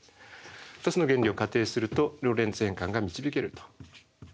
２つの原理を仮定するとローレンツ変換が導けると。